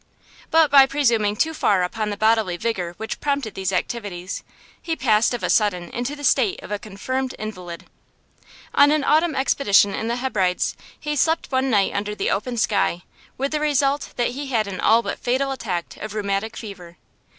But by presuming too far upon the bodily vigour which prompted these activities, he passed of a sudden into the state of a confirmed invalid. On an autumn expedition in the Hebrides he slept one night under the open sky, with the result that he had an all but fatal attack of rheumatic fever.